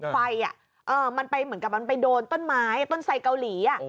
ไฟมันไปเหมือนกับมันไปโดนต้นไม้ต้นไสเกาหลี